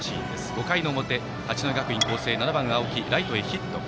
５回表、八戸学院光星７番の青木がライトへヒット。